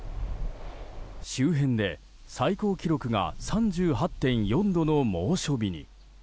周辺で、最高記録が３８．４度の猛暑日に。